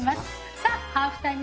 さあハーフタイム